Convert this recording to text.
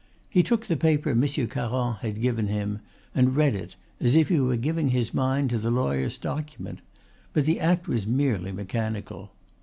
He took the paper Monsieur Caron had given him and read it, as if he were giving his mind to the lawyer's document, but the act was merely mechanical.